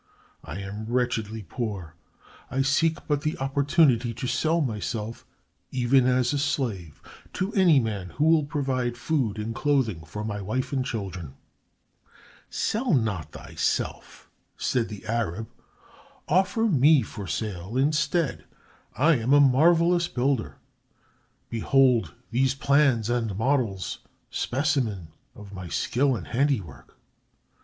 I am wretchedly poor. I seek but the opportunity to sell myself, even as a slave, to any man who will provide food and clothing for my wife and children." "Sell not thyself," said the Arab. "Offer me for sale instead. I am a marvelous builder. Behold these plans and models, specimens of my skill and handiwork."